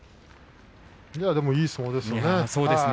いい相撲でしたね